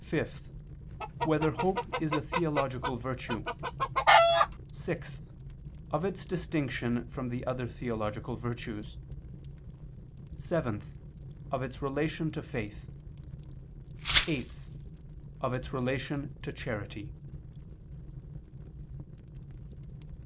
(5) Whether hope is a theological virtue? (6) Of its distinction from the other theological virtues? (7) Of its relation to faith; (8) Of its relation to charity.